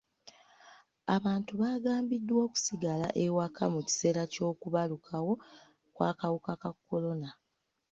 Abantu bagambiddwa okusigala ewaka mu kiseera ky'okubalukawo kw'akawuka ka kolona.